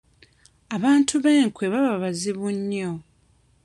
Abantu ab'enkwe baba bazibu nnyo.